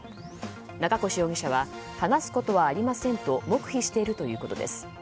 中越容疑者は話すことはありませんと黙秘しているということです。